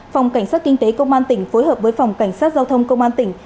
phòng cảnh sát kinh tế công an tỉnh phối hợp với phòng cảnh sát giao thông công an tỉnh